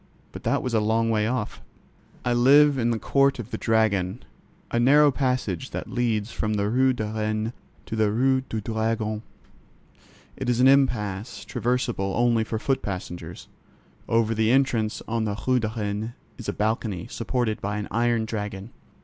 But that was a long way off. I live in the Court of the Dragon, a narrow passage that leads from the Rue de Rennes to the Rue du Dragon. It is an "impasse"; traversable only for foot passengers. Over the entrance on the Rue de Rennes is a balcony, supported by an iron dragon.